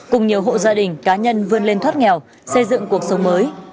cùng nhiều hộ gia đình cá nhân vươn lên thoát nghèo xây dựng cuộc sống mới